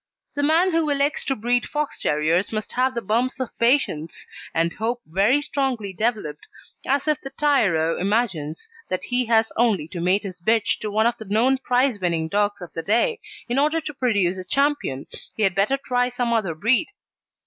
The man who elects to breed Fox terriers must have the bumps of patience and hope very strongly developed, as if the tyro imagines that he has only to mate his bitch to one of the known prize winning dogs of the day in order to produce a champion, he had better try some other breed.